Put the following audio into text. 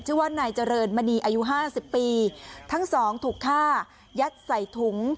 ชื่อว่านายเจริญมณีอายุห้าสิบปีทั้งสองถูกฆ่ายัดใส่ถุง